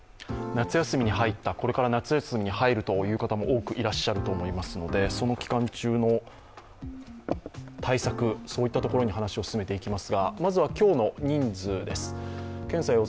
夏休みに入った、これから夏休みに入るという方も多くいらっしゃると思いますので、その期間中の対策といったところに話を進めていきます。